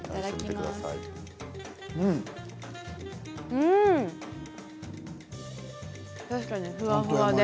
うん確かにふわふわで。